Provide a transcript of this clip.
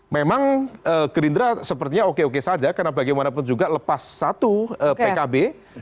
memang gerindra sepertinya oke oke saja karena bagaimanapun juga lepas satu pkb